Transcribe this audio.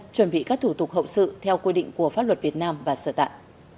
chuẩn bị các thủ tục hậu sự theo quy định của pháp luật việt nam và sở tại